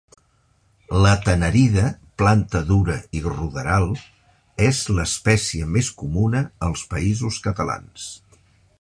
La tanarida, planta dura i ruderal, és l'espècie més comuna als Països Catalans.